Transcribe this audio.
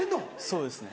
そうですね。